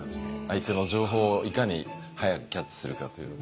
相手の情報をいかに早くキャッチするかという。